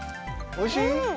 おいしい！